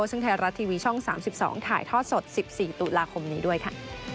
ซึ่งไทยรัฐทีวีช่อง๓๒ถ่ายทอดสด๑๔ตุลาคมนี้ด้วยค่ะ